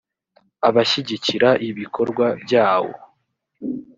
abashyigikira ibikorwa byawo